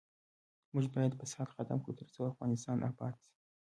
موږ باید فساد ختم کړو ، ترڅو افغانستان اباد شي.